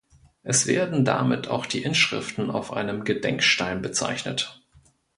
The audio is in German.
Es werden damit auch die Inschriften auf einem Gedenkstein bezeichnet.